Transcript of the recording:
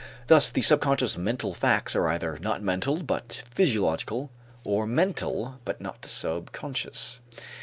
Thus the subconscious mental facts are either not mental but physiological, or mental but not subconscious.